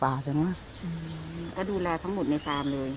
แล้วดูแลทั้งหมดในความนั้นเลย